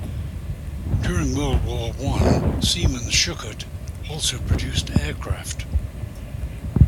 During World War One Siemens-Schuckert also produced aircraft.